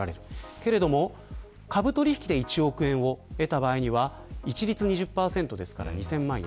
けれども、株取引で１億円を得た場合は一律２０％だから２０００万円。